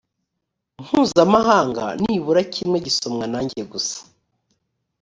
mpuzamahanga nibura kimwe gisomwa na njye gusa